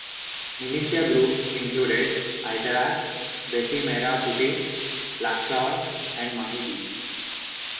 Militia groups included Aitarak, Besi Merah Putih, Laksaur, and Mahidi.